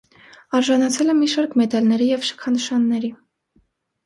Արժանացել է մի շարք մեդալների և շքանշանների։